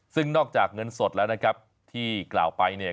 ซึ่งนอกจากเงินสดแล้วนะครับที่กล่าวไปเนี่ย